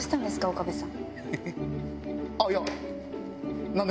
岡部さん。